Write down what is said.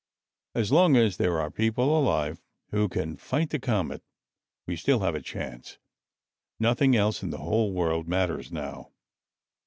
As long as there are people alive who can fight the comet, we still have a chance. Nothing else in the whole world matters now.